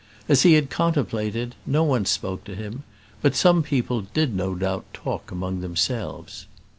As he had contemplated, no one spoke to him; but some people did no doubt talk among themselves.